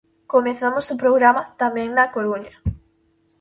Comezamos o programa tamén na Coruña.